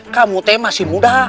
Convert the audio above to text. kamu teh masih muda